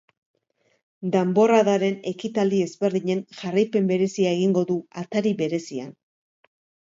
Danborradaren ekitaldi ezberdinen jarraipen berezia egingo du atari berezian.